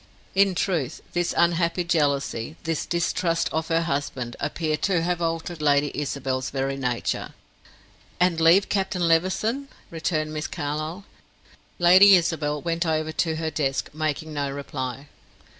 In truth this unhappy jealousy, this distrust of her husband, appeared to have altered Lady Isabel's very nature. "And leave Captain Levison?" returned Miss Carlyle. Lady Isabel went over to her desk, making no reply.